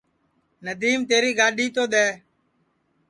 ندیم تیری گاڈؔی تو دؔے